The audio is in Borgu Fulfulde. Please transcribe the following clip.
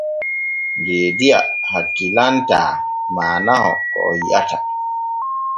Deediya hakkilantaa maanaho ko o yi’ata.